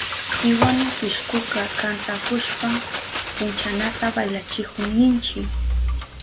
Piwanu pishkuka kantahushpan punchanata baylachihun ninchi.